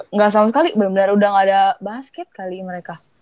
enggak sama sekali bener bener udah gak ada basket kali mereka